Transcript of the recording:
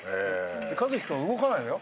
一輝君は動かないのよ。